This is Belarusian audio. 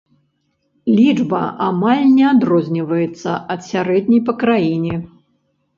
Лічба амаль не адрозніваецца ад сярэдняй па краіне.